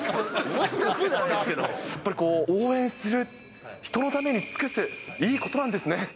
やっぱり応援する、人のために尽くす、いいことなんですね。